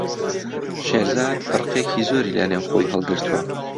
شێرزاد ڕقێکی زۆری لەنێو خۆی هەڵگرتووە.